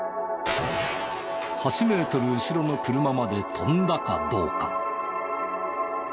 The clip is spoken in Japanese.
８メートル後ろの車まで飛んだかどうか。